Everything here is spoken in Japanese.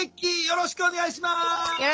よろしくお願いします。